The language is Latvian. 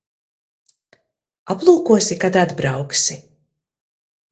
Aplūkosi, kad atbrauksi.